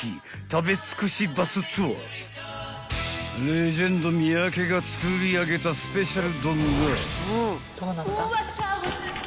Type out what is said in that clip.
［レジェンド三宅が作り上げたスペシャル丼が］